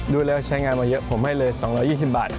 ดูแล้วใช้งานมาเยอะผมให้เลย๒๒๐บาท